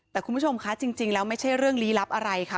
แต่คุณผู้ชมคะจริงแล้วไม่ใช่เรื่องลี้ลับอะไรค่ะ